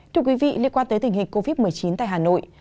thưa quý vị liên quan tới tình hình covid một mươi chín tại hà nội